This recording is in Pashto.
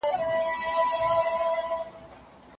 حکومتونه د خلګو ګډون ته ډېر ارزښت ورکوي.